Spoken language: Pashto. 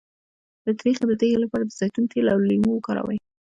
د تریخي د تیږې لپاره د زیتون تېل او لیمو وکاروئ